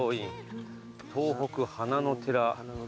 東国花の寺。